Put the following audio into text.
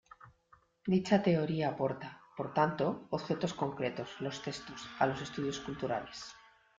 Dicha "Teoría" aporta, por tanto, objetos concretos –los textos−, a los estudios culturales.